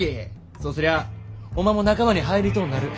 そうすりゃおまんも仲間に入りとうなる。